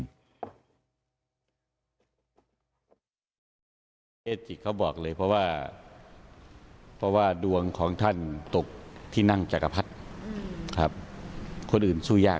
เอสจิกเขาบอกเลยเพราะว่าเพราะว่าดวงของท่านตกที่นั่งจักรพรรดิครับคนอื่นสู้ยาก